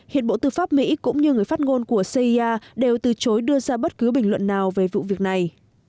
hiện bộ tư pháp mỹ cũng như người phát ngôn của cia đều từ chối đưa ra bất cứ bình luận nào về vụ việc này